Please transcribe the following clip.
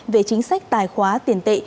về chính sách tài khóa tiền tệ